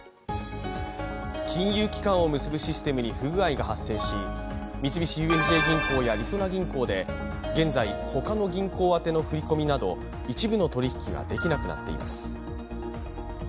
金融機関を結ぶシステムに不具合が発生し三菱ＵＦＪ銀行やりそな銀行で現在、ほかの銀行宛の振込など一部の取り引きができなくなっています。